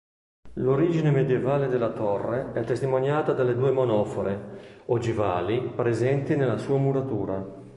L'origine medievale dalla torre è testimoniata dalle due monofore ogivali presenti nella sua muratura.